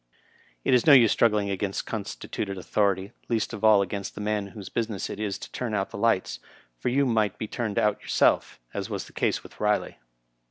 It is no use struggling against constituted authority, least of all against the man whose business it is to turn out the lights, for you might be turned out yoursfiU, as was the ease with Biley.